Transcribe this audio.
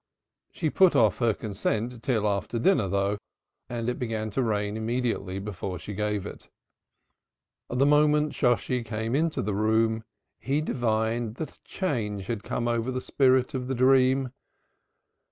She put off her consent till after dinner though, and it began to rain immediately before she gave it. The moment Shosshi came into the room he divined that a change had come over the spirit of the dream.